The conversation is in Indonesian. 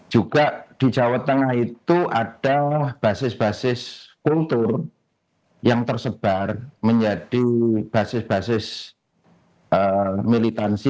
juga di jawa tengah itu ada basis basis kultur yang tersebar menjadi basis basis militansi